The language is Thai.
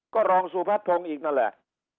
ก็รองสุพัฒนพงศ์อีกนั่นแหละ